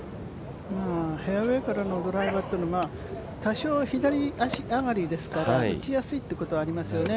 フェアウエーからのドライバーっていうのは多少左上がりですから打ちやすいっていうことはありますよね。